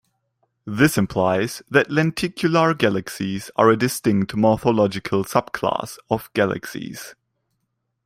This implies that lenticular galaxies are a distinct morphological subclass of galaxies.